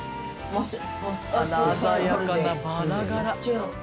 あら鮮やかなバラ柄。